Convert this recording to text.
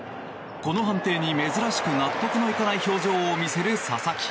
この判定に珍しく納得のいかない表情を見せる佐々木。